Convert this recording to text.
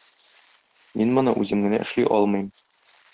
Мин моны үзем генә эшли алмыйм.